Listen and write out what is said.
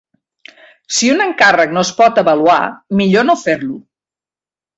Si un encàrrec no es pot avaluar, millor no fer-lo.